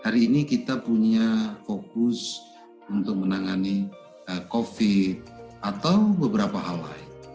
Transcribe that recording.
hari ini kita punya fokus untuk menangani covid atau beberapa hal lain